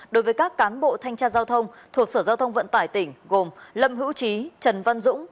đối với các cán bộ thanh tra giao thông thuộc sở giao thông vận tải tỉnh gồm lâm hữu trí trần văn dũng